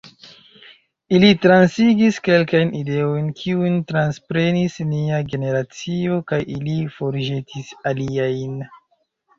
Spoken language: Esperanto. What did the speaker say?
Ili transigis kelkajn ideojn, kiujn transprenis nia generacio, kaj ili forĵetis aliajn.